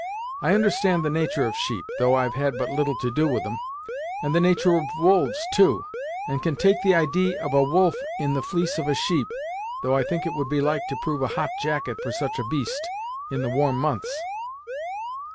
I understand the natur' of sheep, though I've had but little to do with 'em, and the natur' of wolves too, and can take the idee of a wolf in the fleece of a sheep, though I think it would be like to prove a hot jacket for such a beast, in the warm months!"